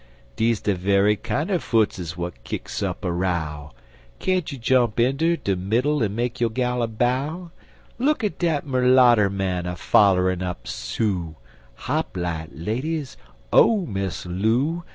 Deze de ve'y kinder footses w'at kicks up a row; Can't you jump inter de middle en make yo' gal a bow? Look at dat merlatter man A follerin' up Sue; Hop light, ladies, Oh, Miss Loo!